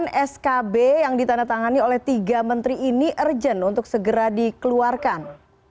kemudian skb yang ditandatangani oleh tiga menteri ini urgent untuk segera dikeluarkan